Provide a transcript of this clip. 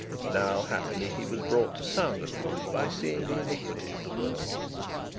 Now happily he was brought to sounder views by seeing the iniquity of the world.